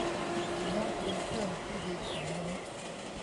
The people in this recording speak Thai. สุนัขเป็นเพื่อนที่ดีของมนุษย์